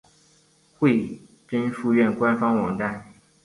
惠贞书院官方网站